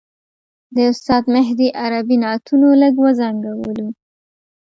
د استاد مهدي عربي نعتونو لږ وځنګولو.